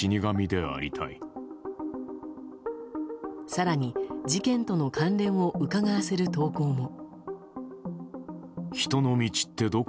更に、事件との関連をうかがわせる投稿も。